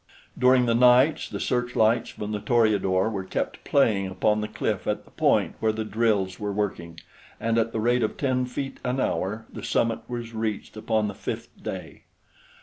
During the nights the searchlights from the Toreador were kept playing upon the cliff at the point where the drills were working, and at the rate of ten feet an hour the summit was reached upon the fifth day.